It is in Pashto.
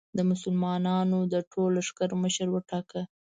د مسلمانانو د ټول لښکر مشر وټاکه.